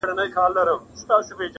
لکه پتڼ وزر مي وړمه د سره اور تر کلي!.